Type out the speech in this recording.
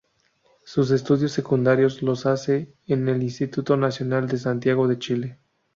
Sus estudios secundarios los hace en el Instituto Nacional de Santiago de Chile.